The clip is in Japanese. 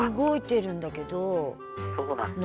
そうなんですね。